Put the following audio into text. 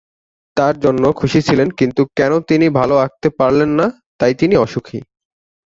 তার জন্য খুশি ছিলেন কিন্তু কেন তিনি ভাল আঁকতে পারলেন না তাই তিনি অসুখী।